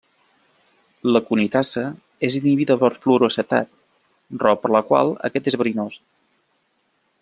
L'aconitasa és inhibida per fluoroacetat, raó per la qual aquest és verinós.